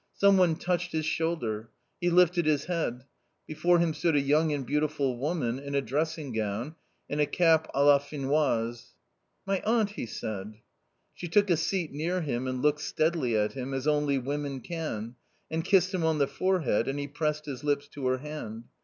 Some one touched his shoulder. He lifted his head ; J before him stood a young and beautiful woman, in a dress ing gown and a cap d la Finoise* "Ma tantel" he said. She took a seat near him and looked steadily at him, as only women can, and kissed him on the forehead, and he pressed his lips to her hand.